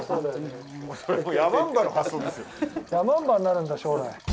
ヤマンバになるんだ将来。